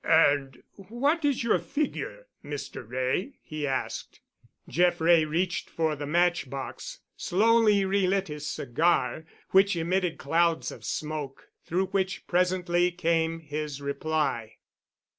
"And what is your figure, Mr. Wray?" he asked. Jeff Wray reached for the match box, slowly re lit his cigar, which emitted clouds of smoke, through which presently came his reply.